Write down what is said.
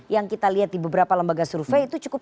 yang kita lihat di beberapa lembaga survei itu cukup